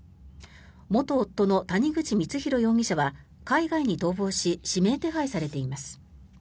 元夫の谷口光弘容疑者は海外に逃亡し指名手配されています。